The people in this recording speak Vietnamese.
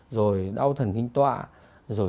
rồi đau thần kinh tọa rồi